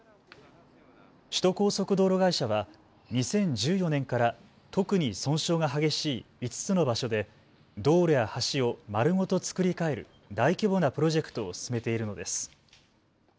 首都高速道路会社は２０１４年から特に損傷が激しい５つの場所で道路や橋を丸ごと造り替える大規模なプロジェクトを進めているのです。